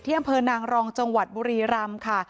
อำเภอนางรองจังหวัดบุรีรำค่ะ